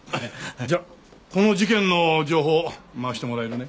じゃあこの事件の情報回してもらえるね？